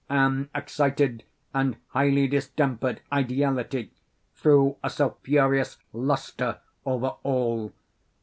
An excited and highly distempered ideality threw a sulphureous lustre over all.